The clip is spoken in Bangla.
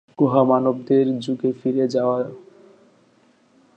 গুহা মানবদের যুগে ফিরে যাওয়া।